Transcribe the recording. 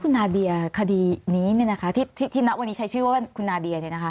คุณนาเดียคดีนี้ที่นับวันนี้ใช้ชื่อว่าคุณนาเดีย